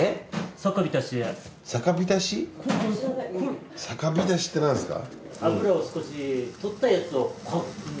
さかびたしって何ですか？